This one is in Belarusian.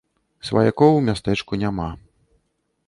Сваякоў у мястэчку няма.